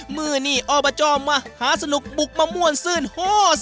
มื้อนี้ออบจมาหาสนุกบุกมะม่วนซื่นโฮซ